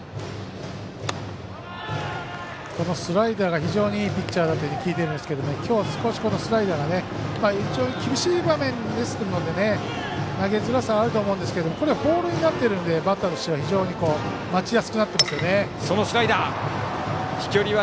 このスライダーが非常にいいピッチャーだと聞いているんですが今日は、このスライダーが厳しい場面ですので投げづらさはあると思うんですがこれがボールになっているのでバッターとしては非常に待ちやすくなっていますね。